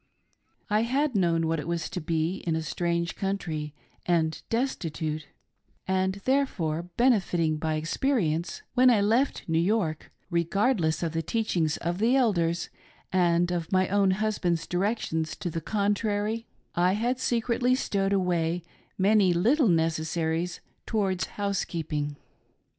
I had known what it was to be in a strange country and destitute ; and, therefore, benefiting by experience, when I left New York, regardless of the teachings of the Elders and of my own husband's directions to the con trary, I had secretly stowed away many little necessaries towards housekeeping.